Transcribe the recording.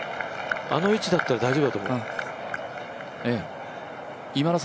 あの位置だったら大丈夫だと思う。